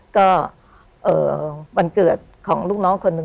ก็วันเกิดของลูกน้องคนหนึ่ง